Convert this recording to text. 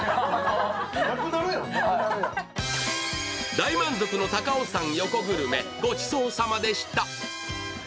大満足の高尾山の横グルメ、ごちそうさまでした。